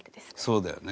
そうだよね。